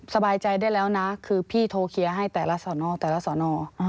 สบายใจได้แล้วนะคือพี่โทรเคลียร์ให้แต่ละสอนอแต่ละสอนอ